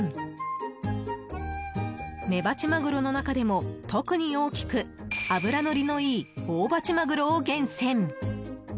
メバチマグロの中でも特に大きく脂のりのいいオオバチマグロを厳選。